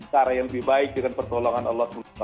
cara yang lebih baik dengan pertolongan allah swt